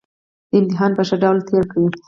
دا امتحان په ښه ډول تېر کړئ